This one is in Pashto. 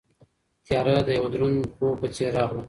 تیاره د یوه دروند خوب په څېر راغله.